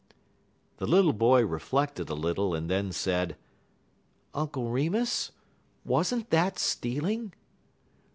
The little boy reflected a little, and then said: "Uncle Remus, was n't that stealing?"